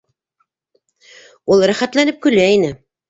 — Ул рәхәтләнеп көлә ине.